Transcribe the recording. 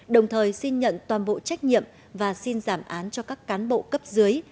đồng thời xin nhận toàn bộ trách nhiệm và xin giảm án cho các cán bộ cấp dưới